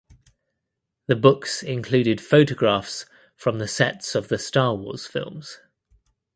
The books included photographs from the sets of the Star Wars films.